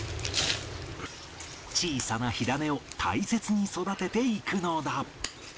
小さな火種を大切に育てていくのだ